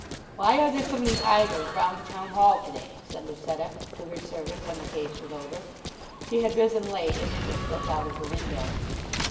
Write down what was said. "Why are there so many idlers round the Town Hall to day?" said Lucetta to her servant when the case was over. She had risen late, and had just looked out of the window.